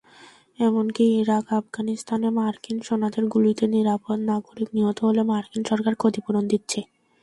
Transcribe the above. এমনকি ইরাক-আফগানিস্তানে মার্কিন সেনাদের গুলিতে নিরপরাধ নাগরিক নিহত হলে মার্কিন সরকার ক্ষতিপূরণ দিচ্ছে।